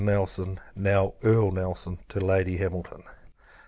NELSON, NOW EARL NELSON, TO LADY HAMILTON.